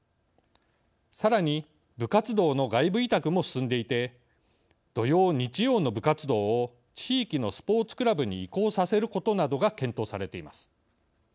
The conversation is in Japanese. さらに部活動の外部委託も進んでいて土曜日曜の部活動を地域のスポーツクラブに移行させることなどが検討されています。